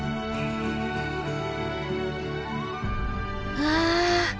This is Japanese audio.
うわ！